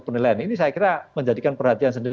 potensi keamanan ada wilayah setempat